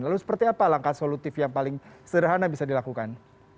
lalu seperti apa langkah solutif yang paling sederhana bisa dilakukan